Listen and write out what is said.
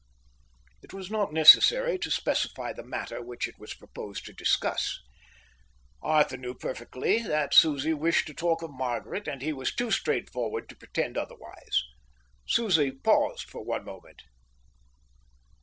It was not necessary to specify the matter which it was proposed to discuss. Arthur knew perfectly that Susie wished to talk of Margaret, and he was too straightforward to pretend otherwise. Susie paused for one moment.